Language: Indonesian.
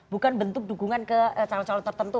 bukan bentuk dukungan ke calon calon tertentu